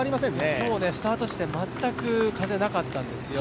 今日、スタート地点、全く風がなかったんですよ。